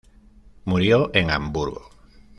Murió en Hamburgo.